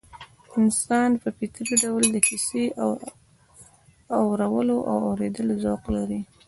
انسان په فطري ډول د کيسې اورولو او اورېدلو ذوق لري